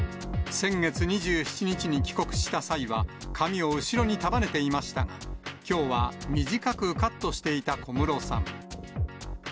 先月２７日に帰国した際は髪を後ろに束ねていましたが、きょうは短くカットしていた小室さん。